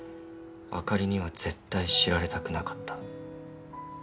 あかりには絶対知られたくなかった。